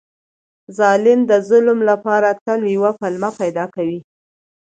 ظالم د ظلم لپاره تل یوه پلمه پیدا کوي.